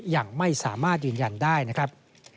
ยังไม่สามารถยืนยันได้นะครับ